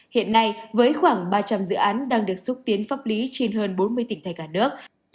hiện nay với khoảng ba trăm linh dự án đang được xúc tiến pháp lý trên hơn bốn mươi tỉnh thành cả nước